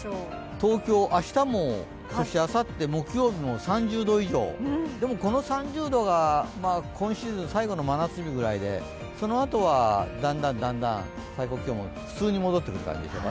東京、明日も、あさって木曜日も３０度以上でも、この３０度が今週最後の真夏日くらいでそのあとはだんだん最高気温も普通に戻ってくる感じでしょうか。